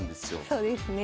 そうですね。